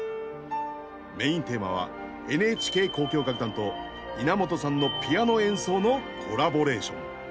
メインテーマはＮＨＫ交響楽団と稲本さんのピアノ演奏のコラボレーション。